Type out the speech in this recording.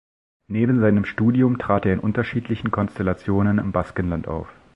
Neben seinem Studium trat er in unterschiedlichen Konstellationen im Baskenland auf.